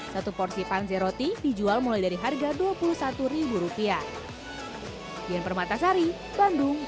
satu porsi panze roti dijual mulai dari harga dua puluh satu rupiah